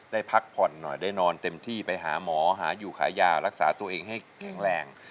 ได้พักผ่อนหน่อยได้นอนเต็มที่ไปหาหมอหาอยู่ขายยารักษาตัวเองให้แข็งแรง